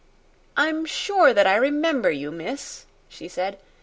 "I'm sure that I remember you, miss," she said.